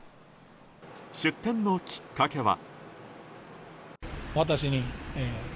出店のきっかけは。